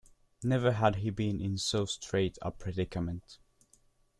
Never had he been in so strait a predicament.